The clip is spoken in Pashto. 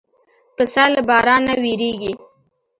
پسه له باران نه وېرېږي.